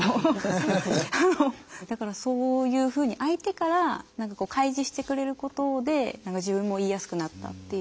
だからそういうふうに相手から何かこう開示してくれることで自分も言いやすくなったっていう。